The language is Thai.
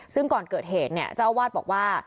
ซึ่งก่อนเกิดเหตุเนี่ยเจ้าอาวาสบอกว่า